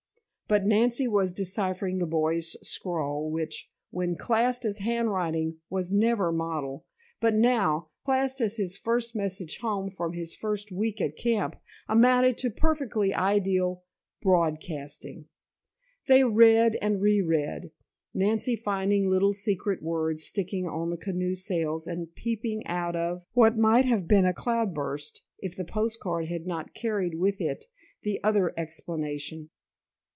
But Nancy was deciphering the boy's scrawl which, when classed as handwriting, was never model, but now, classed as his first message home from his first week at camp, amounted to perfectly ideal "broad casting." They read and re read, Nancy finding little secret words sticking on the canoe sails and peeping out of, what might have been a cloudburst, if the postcard had not carried with it the other explanation.